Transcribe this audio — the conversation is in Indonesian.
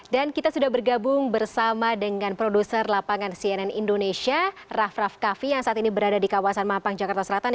dan kita sudah bergabung bersama dengan produser lapangan cnn indonesia raff raff kaffi yang saat ini berada di kawasan mampang jakarta selatan